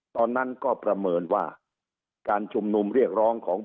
ตอนนั้นก็